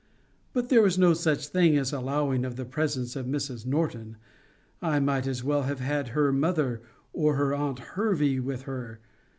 But there was no such thing as allowing of the presence of Mrs. Norton. I might as well have had her mother or her aunt Hervey with her.